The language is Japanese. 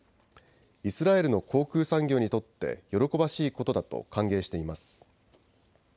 イスラエルの航空産業にとって喜ばしいことだと歓迎しています。